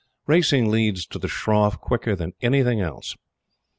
Racing leads to the shroff quicker than anything else.